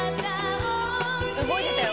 動いてたよ。